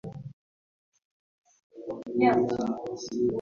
Jjukira nti Federo kitegeeza kugabana buyinza wakati wa Gavumenti eya wakati.